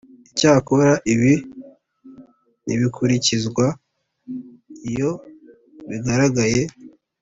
Icyakora ibi ntibikurikizwa iyo bigaragaye